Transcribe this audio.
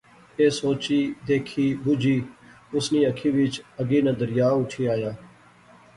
ایہہ سوچی، دیکھی، بجی اس نیں اکھی وچ اگی ناں دریا اٹھی آیا